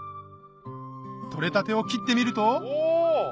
取れたてを切ってみるとお！